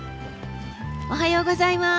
おはようございます！